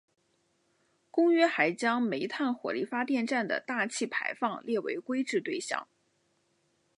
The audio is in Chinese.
公约还将煤炭火力发电站的大气排放列为规制对象。